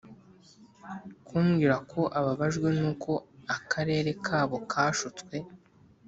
kumbwira ko ababajwe n'uko akarere kabo kashutswe